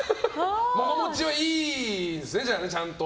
物持ちはいいんですねちゃんと。